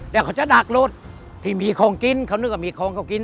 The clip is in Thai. เดี๋ยวเขาจะดักรถที่มีของกินเขานึกว่ามีของเขากิน